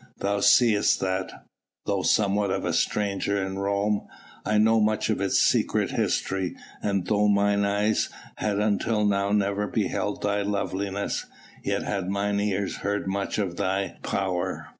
Thou seest that though somewhat of a stranger in Rome I know much of its secret history, and though mine eyes had until now never beheld thy loveliness, yet had mine ears heard much of thy power."